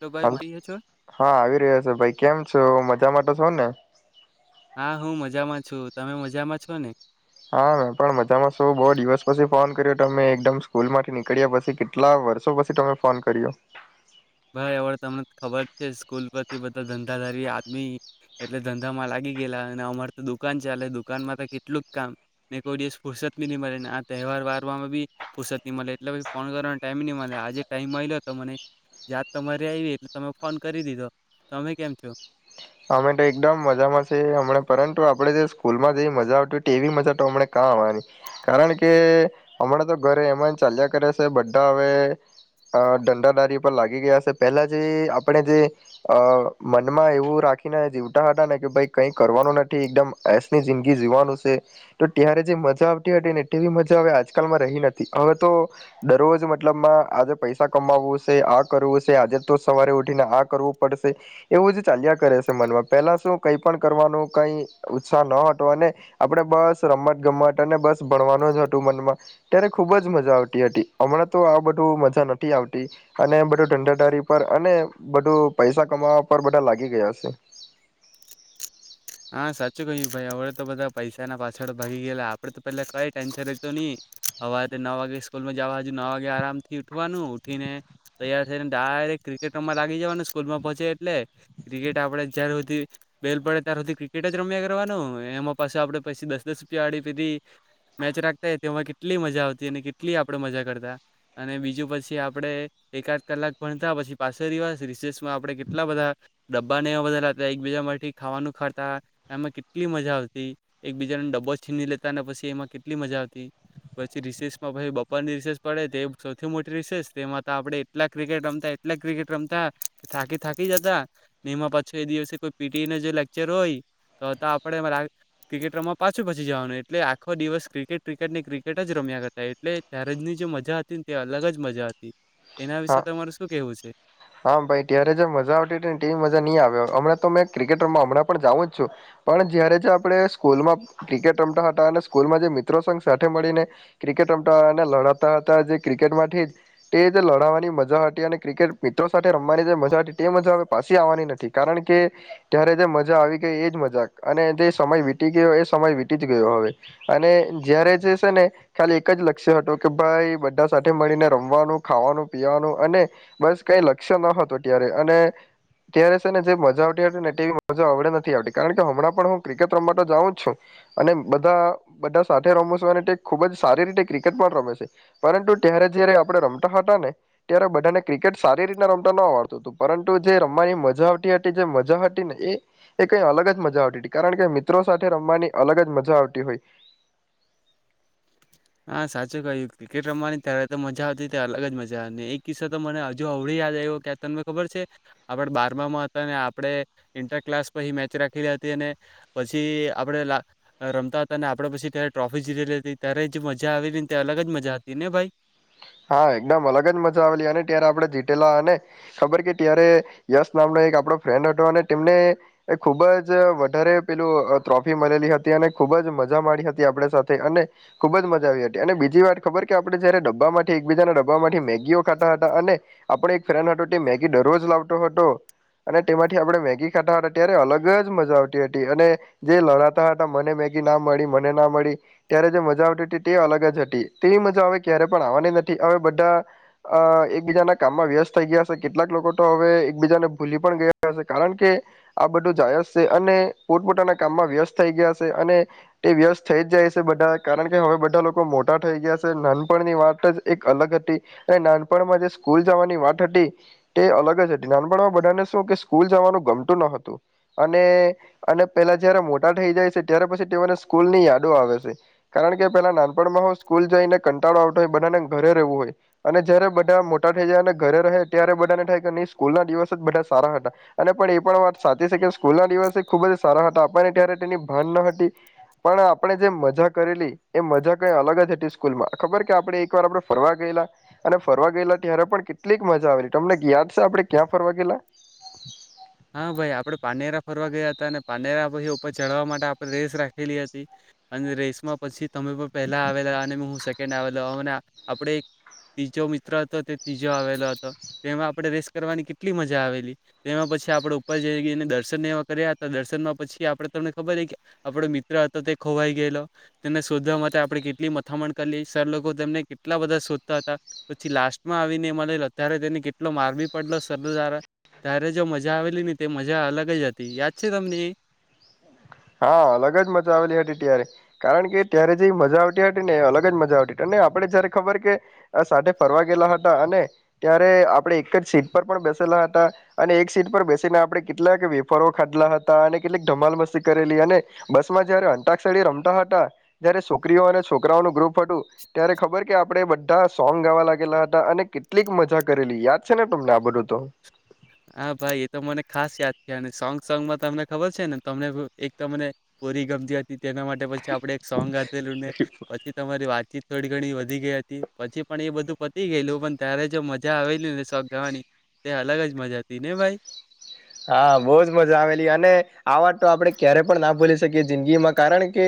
Hello હ ભાઈ મળી છો હા આવી રહ્યો છે ભાઈ કેમ છો મજ મજામાં તો છો ને? હા હું મજામાં છું તમે મજામાં છો ને? હા મેં પણ મજામાં શું બહુ દિવસ પછી ફોન કર્યો તમે એકદમ સ્કૂલમાંથી નીકળ્યા પછી કેટલા વર્ષો પછી તમે ફોન કર્યો. હ તમને ખબર છે સ્કૂલ પરથી બધા ધંધા ધારી આદમી એટલે ધંધામાં લાગી ગયેલા અને અમારે તો દુકાન છેાલે દુકાનમાં તો કેટલું જ કામ ને કોઈ દિવસ ફુરસત બી નહી મળેને આ તહેવાર વારમાં બી ફુરસત નહી મળે એટલેી ફોન કરવાનો ટાઈમ નહી મળે આજે ટાઈઇમ મળ્યો તો મને યાદ તમારે આવી એટલે તમે ફોન કરી દીધો તમે કેમ છો? અમે તો એકદમ મજામાં છે હમણાં પરંતુ આપણેે જે સ્કૂલમાં જેવી મજા આવતી હોય ટીવી મજા તો હમણા કાં આવવાની કારણ કે હમણાં તો ઘરે એમ જ ચાલ્યા કરે છે બધા હવે ધંધાદારી પર લાગી ગયા છે પેલા જે આપણે જે અ મનમાં એવું રા ખીને જીવતા હતા ને કે ભાઈ કઈક કરવાનું નથી એકદમ એસની જિંદગી જીવવાનું છે તો ત્યારે જે મજા આવતી હતી ને તેવી મજા હવે આજકાલમાં રહી નથી હવે તો દરરોજ મતલબમાં આજે પૈસા કમાવવું શે આ કરવું શે આજે તો સવારે ઉઠીને આ કરવું પડશે એવું જ ચાલ્યા કરે. મન માં પહેલા શું કઈ પણ કરવાનું કઈ ઉત્સાહ ન હતો અને આપણે બસ રમત ગમત અને બસ ભણવાનું જ હતું મનમાં ત્યારે ખુબ જ મજા આવતી હતી હમણાં તો આ બધું મજા નથી આવતી અને બધું ઢંઢાદારી પર અને બધું પૈસા કમાવા પર બધા લાગી ગયા છે. હા સાચું કહ્યું ભાઈ હવે તો બધા પૈસા ના પાછળ ભાગી ગયેલા આપડે તો પેલા કઈ ટેન્શન જ તો ની હવારે નવ વાગે સ્કૂલમાં જવા હજુ ન વાગે આરામ થી ઉઠવાનું ઉઠીને તૈયાર થઈને ડાયરેક ક્રિકેટમાં લાગી જવાનું સ્કૂલમાં પહોંચે એટલે ક્રિકેટ આપડે જ્યારે સુધી બેલ પડે ત્યાં સુધી ક્રિકેટ જ રમ્યા કરવાનું એમાં પાછ આપડે પી દસ દસ રૂપિયા આડી પીધી મેચ રાખતા તેમાં કેટલી મજા આવતી અને કેટલી આપડે મજા કરતા અને બીજું પછી આપડે એકાદ કલાક ભણતા પછી પાછળ રીવા રિસેસમાં આપણે કેટલા બધા ડબ્બા ને એવા બધા એકબીજા માટેથી ખાવાનું ખાતા એમાં કેટલી મજા આવતી એક બીજાને ડબ્બો છીની લેતા ને પછી એમાં કેટલી મજા આવતી પછી રીસેસમાં પછી બપોર ની રીસેસ પડે તે એ સૌથી મોટી રિસેસ એમાં આપણે એટલા ક્રિકેટ રમતા એટલા ક્રિકેટ રમતા થાકી થાકી જતા ને એમાં પાછો એ દિવસે કોઈ પીટીને જો લેક વચે રોય તો તો આપડે [unintelligible] ક્રિકેટ રમવા પાછું પછી જવાનું એટલે આખો દિવસ ક્રિકેટ ક્રિકેટ ને ક્રિકેટ જ રમ્યા કરતા એટલે ત્યારે જની જે મજા હતી ને તે અલગ જ મજા હતી. એના હા વિશે તમારે શું કેવું છે હા ભાઈ ત્યારે જે મજા આવતી તી ને તેવી મજા ની આવ હમણાં તો મેં ક્રિકેટ રમવા હમણાં પણ જાઉું જ છું, પણ જ્યારે જે આપણે સ્કૂલમાં ક્રિકેટ રમતા હતા અને સ્કૂલમાં જે મિત્રો સંઘ સાથે મળીને, ક્રિકેટ રમતા અને લડતા હતા જે ક્રિકેટમાંથી જ, તે જ લડાવા મજા હતી અને ક્રિકેટ મિત્રો સાથે રમવાની જે મજા હતી તે મજા પાછી આવવાની નથી કારણ કે, ત્યારે જે મજા આવી ગઈ એજ મજા અને જે સમય વીતી ગયો એ સમય વીતી જ ગયો હવે, અને જયારે જે શે ને, ખાલી એક જ લક્ષ્ય હતો કે ભાઈ બધા સાથે મળીને રમવાનું, ખાવાનું પીવાનું અને, બસ કઈ લક્ષ્ય ન હતું ત્યારે અને, ત્યારે છે ને જે મજા આવતી હતી ને તેવી મજા આવડે નથી આવતી કારણ કે હમણાં પણ હું ક્રિકેટ રમવા તો જાઉં જ છું, અને બધા બધા સાથે રમું છું અને ખૂબ જ સારી રીતે ક્રિકેટ પણ રમે છે, પરંતુ ત્યારે જયારે આપણે રમતા હતા ને. ત્યારે બધાને ક્રિકેટ સારી રીતને રમતા ન આવડતું હતું પરંતુ જે રમવાની મજા આવતી હતી જે મજા હતી ને એ, કઈ અલગ જ મજા આવતી હતી કારણ કે મિત્રો સાથે રમવાની અલગ જ મજા આવતી હોય. હા સાચું કહ્યું ક્રિકેટ રમવાની ત્યારે તો મજા આવતી ત્યારે અલગ જ મજા ને એક કિસ્સો તો મને હજુ અવળી યાદ આવ્યો કે તમને ખબર છે, આપણે બારમામાં હતા ને આપણે ઇન્ટર ક્લાસ પછી મેચ રાખેલી હતી અને, પછી આપડે રમતા હતા અને આપડે પછી ત્યારે ટ્રોફી જીતેલી હતી ત્યારે જ મજા આવેલી તે અલગ જ મજા હતી ને ભાઈ. હા એકદમ અલગ જ મજા આવેલી અને ત્યારે આપણે જીતેલા અને, ખબર કે ત્યારે યશ નામનો એક આપડો ફ્રેન્ડ હતો અને તેમને, ખુબ જ વધારે પેલું ટ્રોફી મળેલી હતી અને ખૂબ જ મજા માડી હતી આપડ સાથે અને ખુબ જ મજા આવી હતી અને, બીજી વાત ખબર કે આપણે જયારે ડબ્બા મા એકબીજાના ડબ્બામાંથી મેગીઓ ખાતા હતા અને આપણે એક ફ્રેન્ડ હતો તે મેગી દરરોજ લાવતો હતો અને તેમાંથી આપણે મેગી ખાતા હતા ત્યારે અલગ જ મજા આવતી હતી અને જે લડાતા હતા મને મેગી ના મળી મને ના મળી ત્યારે જે મજા આવતી હતી તે અલગ જ હતી તેવી મજા આવે ક્યારે પણ આવવાની ન હવે બધા, અ એકબીજાના કામમાં વ્યસ્ત થઈ ગયા છે કેટલાક લોકો તો હવે એકબીજાને ભૂલી પણ ગયા છે કારણ કે, આ બધું જાયસે અને પોતપોતાના કામમાં વ્યસ્ત થઈ ગયા શે અને, તે વ્યસ્ત થઈ જ જાય છે બધા કારણ કે હવે બધા લોકો મોટા થઈ ગયા છે નાનપણની વાત જ એક અલગ હતી, અને નાનપણમાં જે સ્કૂલ જવાની વાત હતી, તે અલગ જ હતી નાનપણમાં બધાને શું કે સ્કૂલ જવાનું ગમતું ન હતું, અને અને પહેલા જયારે મોટા થઈ જાય છે ત્યારે પછી તેઓને સ્કૂલ ની યાદો આવે છે કારણ કે પહેલા નાનપણમાં હો સ્કૂલ જઈને કંટાળો આવતો હોય બધાને ઘરે રહેવું હોય, અને જયારે બધા મોટા થઈ જાય અને ઘરે રહે ત્યારે બધાને થાય કે નહીં સ્કૂલ ના દિવસ જ બધા સારા હતા, અને પણ એ પણ વાત સાચી છે કે સ્કૂલ ના દિવસ ખુબ જ સારા હતા આપણને ત્યારે તેની ભાન ન હતી, પણ આપણે જે મજા કરેલી એ મજા કઈ અલગ જ હતી સ્કૂલમાં ખબર કે આપણે એક વાર આપડો ફરવા ગયેલા, અને ફરવા ગયેલા ત્યારે પણ કેટલીક મજા આવેલી તમને યાદ શે આપડે ક્યાં ફરવા ગયેલા? હા ભાઈ આપડે પાનેરા ફરવા ગયા હતા અને પાનેરા પછી ઉપર ચઢવા માટે આપણે રેસ રાખેલી હતી, અને રેસમાં પછી તમે પણ પહેલા આવેલા અને હું સેકન્ડ આવેલો અને આ આપડે એક ત્રીજો મિત્ર હતો તે ત્રીજો આવેલો હતો, તેમાં આપણે રેસ કરવાની કેટલી મજા આવેલી, તેમાં પછી આપડે ઉપર જઈએને દર્શન એ કર્યા હતા દર્શનમાં પછી આપડે તમને ખબર છે કે આપડો મિત્ર હતો તે ખોવાઈ ગયેલો તેને શોધવા માટે આપણે કેટલી મથામણ કરલી સર લોકો તેમને કેટલા બધા શોધતા હતા પછી લાસ્ટમાં આવીને એમાં લઈલે ત્યારે તેને કેટલો માર બી પડલો સર દ્વારા ત્યારે જો મ મજા આવેલી ને તે મજા અલગ જ હતી યાદ છે તમને એ? હા અલગ જ મજા આવેલી હતી ત્યારે, કારણ કે ત્યારે જે મજા આવતી હતી ને અલગ જ મજા આવતી હતી અને આપડે જયારે ખબર કે, આ સાથે ફરવા ગયલા હતા અને ત્યારે આપડે એક જ સીટ પર પણ બેસેલા હતા અને એક સીટ પર બેસીને આપણે કેટલાક વેફરો ખાધલા હતા અને કેટલીક ધમાલ મસી કરેલી અને, બસમાં જયારે અંટાક્ષળી રમતા હતા જ્યારે છોકરીઓ અને છોકરાઓનું ગ્રુપ ફટું, ત્યારે ખબર કે આપ આપણે બધા સોંગ ગાવા લાગેલા હતા અને કેટલીક મજા કરેલી યાદ છે ને તમને આ બધું તો? હા ભાઈ એ તો મને ખાસ યાદ છે અને સોંગ સોંગ માં તમને ખબર છે ને તમને અ એક મને પોરી ગમતી હતી. તેના માટે પછી આપડે એક સોંગ ગાધેલુંને, પછી તમારી વાતચીત થોડી ઘણી વધી ગઈ હતી પછી પણ એ બધું પતી ગયેલું પણ ત્યારે જો મજા આવેલી ને શોક ગાવાની એ અલગ જ મજા હતી. તેને ભાઈ હા બહુજ મજા આવેલી અને આ વાત તો આપણે ક્યારે પણ ના ભૂલી શકીએ જિંદગીમાં કારણ કે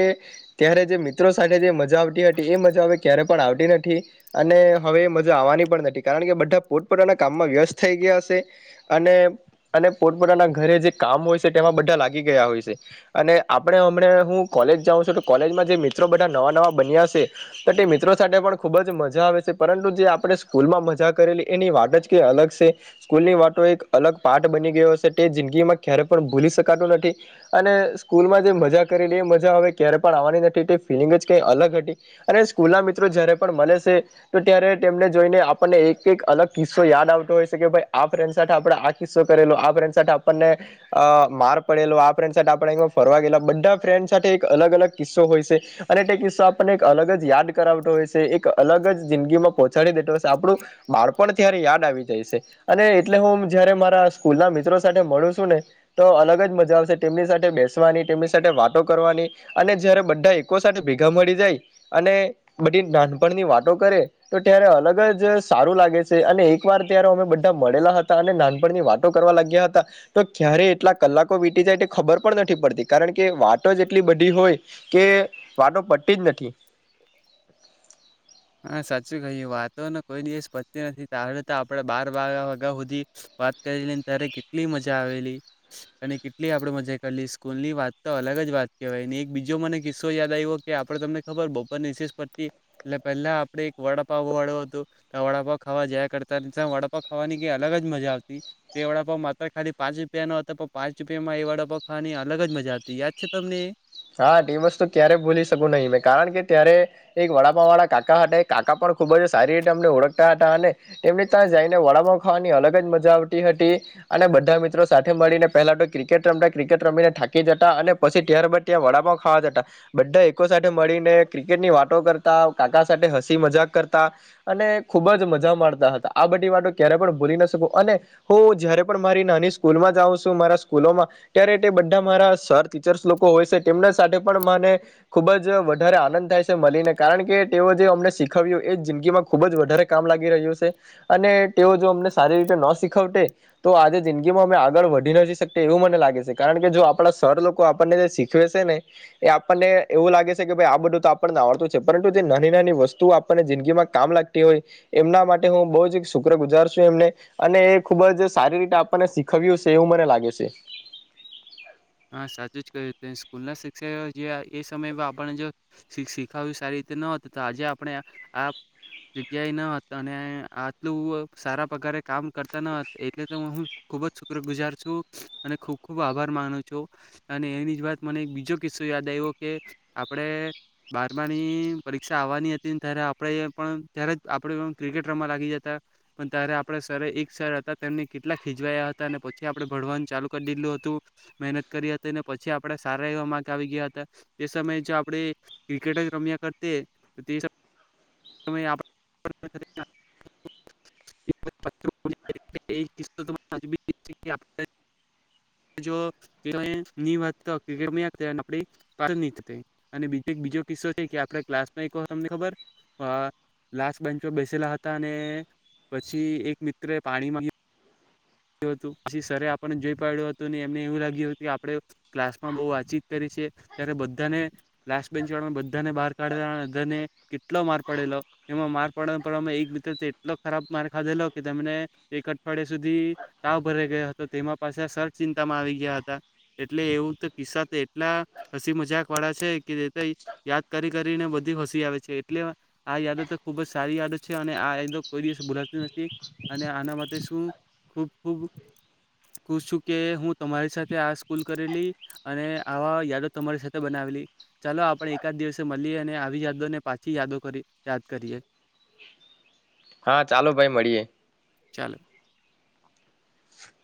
ત્યારે જે મિત્રો સાથે જે મજા આવતી હતી એ મજા હવે ક્યારે પણ આવતી નથી અને હવે એ મજા આવવાની પણ નથી કારણ કે બધા પોતપોતાના કામમાં વ્યસ્ત થઈ ગયા હશે અને અને પોતપોતાના ઘરે જે કામ હોય છે તેમાં બધા લાગી ગયા હોય છે અને આપણે હમણાં હું કોલેજ જાઉં છું તો કોલેજમાં જે મિત્રો બધા નવા નવા બન્યા છે તો તે મિત્રો સાથે પણ ખૂબ જ મજા આવે છે પરંતુ જે આપણે સ્કૂલમાં મજા કરેલી એની વાત જ કં અલગ છે સ્કૂલની વાતો એક અલગ પાર્ટ બની ગયો હશે તે જિંદગીમાં ક્યારે પણ ભૂલી શકાતું નથી અને સ્કૂલમાં જે મજા કરેલી એ મજા હવે ક્યારે પણ આવવાની નથી તે ફિલિંગ જ કઈ અલગ હતી અને સ્કૂલ ના મિત્રો જયારે પણ મળે શે તો ત્યારે તેમને જોઈને આપને એક એક અલગ કિસ્સો યાદ આવતો હોય છે કે ભઈ આ ફ્રેન્ડ સાથે આપ કીસ્સો કરેલો આપડે છે ને આપણને અ માર પડેલો આ ફ્રેન્ડ આપ ફરવા ગેલા બધા ફ્રેન્ડ સાથે એક અલગ અલગ કિસ્સો હોય છે અને તે કિસ્સો આપણને એક અલગ જ યાદ કરાવતો હોય છે એક અલગ જ જિંદગી માં પહોંચાડી દેતો હોય છે આપણું બાળપણ ત્યારે યાદ આવી જાય છે અને એટલે હું જયારે મા રા સ્કૂલ ના મિત્રો સાથે મળુ છું ને તો અલગ જ મજા આવશે તેમની સાથે બેસવાની તેમની સાથે વાતો કરવાની અને જયારે બધા એકકો સાથે ભેગા મળી જાય અને બધી નાનપણની વાતો કરે તો ત્યારે અલગ જ સારું લાગે છે અને એક વાર ત્યારે અમે બધા મળેલા હતા અને નાન પણની વાતો કરવા લાગ્યા હતા તો ક્યારે એટલા કલાકો વીતી જાય તે ખબર પણ નથી પડતી કારણ કે વાતો જ એટલી બધી હોય કે વાતો પડતી જ નથી. હા સાચું કહ્યું વાતોને કોઈ દિવસ પતી નથી તારે તો આપડે બાર બાર વાગ્યા સુધી વાત કરીલીને ત્યારે કેટલી મજા આવેલી અને કેટલી આપડે મજા કરેલી સ્કૂલ ની વાત તો અલગ જ વાત કહેવાય એક બીજો મને કિસ્સો યાદ આવ્યો કે આપડે તમને ખબર બપર નિશે પડતી એટ પહેલા આપણે એક વડાપાવ વાળો હતો તો વડાપાવ ખાવા જયા કરતા વડાપઉ ખાવાની કઈ અલગ જ મજા આવતી એ વડાપાવ માત્ર ખાલી પાંચ રૂપિયાનો હતો પણ પાંચ રૂપિયામાં એ વડાપઉ ખાવાની અલગ જ મજા આવતી યાદ છે તમને એ? હા ટીમસ્તુ ક્યારે ભૂલી શકું નહી મેં કારણ કે ત્યારે એક વડાપાવ વાળા કાકા હતા. કાકા પણ ખૂબ જ સારી રીતે અમને ઓળખતા હતા અને તેમની ત્યા જઈને વડાપાવ ખાવાની અલગ જ મજા આવતી હતી અને બધા મિત્રો સાથે મળીને પહેલા તો ક્રિકેટ રમતા ક્રિકેટ રમીને થાકી જતા અને પછી ત્યાર બાદ ત્યાં વડાપાવ ખાવા જતા બધા એકકો સાથે મળીને ક્રિકેટની વાતો કરતા, કાકા સાથે હસી મજાક કરતા અને ખુબ જ મજા માણતા હતા આ બધી વાતો ક્યારે પણ ભૂલી ના શકું અને હું જયારે પણ મારી નાની સ્કૂલમાં જાઉ શું મારા સ્કૂલોમાં ત્યારે તે બધા મારા સર ટીચર્સ લોકો હોય શે. તેમના સાથે પણ મને ખુબ જ વધારે આનંદ થાય છે મલીને કારણ કે તેઓ જે અમને શીખવ્યું એ જિંદગીમાં ખુબ જ વધારે કામ લાગી રહ્યું શે અને તેઓ જો અમને સારી રીતે ન શીખવટે તો આજે જિંદગીમાં અમે આગળ વધી નહિ શકતે એવું મને લાગે છે કારણ કે જો આપણા સર લોકો આપણને શી શીખવે છે ને એ આપણને એવું લાગે છે કે ભાઈ આ બધું તો આપણને આવડતું છે પરંતુ જે નાની નાની વસ્તુ આપણને જિંદગીમાં કામ લાગતી હોય એમના માટે હું બહું જ શુક્ર ગુજારછું એમને અને એ ખૂબ જ સારી રીતે આપણને શીખવ્યું શે એવું મને લાગે શે. હા સાચું જ કહ્યું સ્કૂલ ના શિક્ષકો જે એ સમયમાં આપને જો શીખ શીખાવ્યું સારી રીતે ન હોત તો આજે આપણે આ જગ્યાએ ન હતા અને આટલું સારા પગારે કામ કરતા ન હત એટલે તો હું ખુબ જ શુક્ર ગુજાર છું અને ખુબ ખુબ આભાર માનું અને એની જ વાત મને એક બીજો કિસ્સો યાદ આવ્યો કે આપણે બારમાની પરીક્ષા આવવાની હતી ત્યારે આપણે પણ ત્યારે આપણે ક્રિકેટ રમવા લાગી જતા પણ ત્યારે આપણે સર એક સર હતા તેમને કેટલા ખીજવાયા હતા અને પછી આપણે ભણવાનું ચાલુ કરી દીધલું હતું મહેનત કરી હતી ને પછી આપડે સારા એવા માક આવી ગયા હતા તે સમયે જો આપણે ક્રિકેટ જ રમ્યા કરતે તે હિસાબ [unintelligible] તમે આપ [unintelligible] એજ કિસ્સો તો હજુ બી [unintelligible] જો [unintelligible] એક બીજો કિસ્સો છે કે આપ ક્લાસમાં તમને ખબર લાસ્ટ બેન્ચ પર બેસેલા હતા અને પછી એક મિત્ર પાણી માં પછી સરરે આપણને જોઈ પાડ્યું હતું એમને એવું લાગ્યું હતું આપણે ક્લાસ માં બહુ વાતચીત કરી છે ત્યારે બધાને ક્લાસ બેન્ચ વાળામાં બધાને બહાર કાઢેલા અધરને કેટલો માર પાડેલો એમાં માર પાડવાડવામાં એક મિત્ર એટલો ખરાબ માર ખાધેલો કે તને એક અઠવાડિયા સુધી તાવ ભરા ગયો હતો તેમાં પાછ સર ચિંતામાં આવી ગયા હતા એટલે એવું તો કિસ્સા તો એટલા હસી મજાક વાળા છે કે યાદ કરી કરીને બધી હસી આવે છે એટલે આ યાદો તો ખુબ જ સારી યાદ છે અને આ યાદો કોઈ દિવસ ભોલાતી નથી અને આના માટે શું ખૂબ ખૂબ ખુશ છું કે હું તમારી સાથે આ સ્કૂલ કરેલી અને આવા યાદો તમારી સાથે બનાવેલી ચાલો આપણે એકાદ દિવસે મળીએ અને આવી યાદોને પાછી યાદો કરી યાદ કરીએ. હા ચાલો ભાઈ મળીએે. ચ